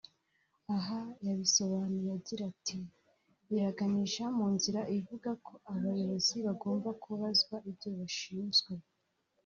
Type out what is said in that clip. Aha yabisobanuye agira ati “Biraganisha mu nzira ivuga ko abayobozi bagomba kubazwa ibyo bashinzwe